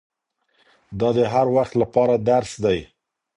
دا د هر وخت له پاره درس دی